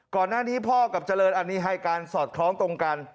ก่อนหน้านี้พ่อกับเจริญอันนี้ให้การสอดคล้องตรงกัน